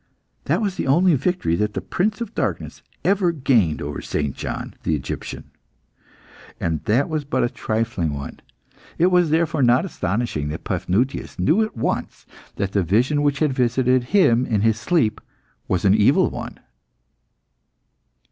That was the only victory that the Prince of Darkness ever gained over St. John the Egyptian, and that was but a trifling one. It was therefore not astonishing that Paphnutius knew at once that the vision which had visited him in his sleep was an evil one.